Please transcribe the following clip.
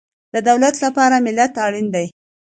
د دولت لپاره ملت اړین دی